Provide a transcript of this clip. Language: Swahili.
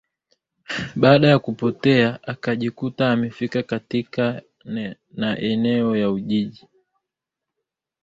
Baada ya kupotea akajikuta amefika katika naeneo ya ujiji